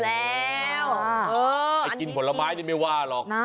อาจจะกินผลไม้ไม่ว่าหรอก